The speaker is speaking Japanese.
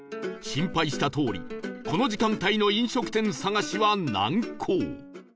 心配したとおりこの時間帯の飲食店探しは難航